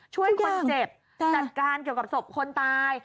ช่วยคนเจ็บจัดการเกี่ยวกับศพคนตาย